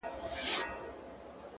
نن یې وار د پاڅېدو دی!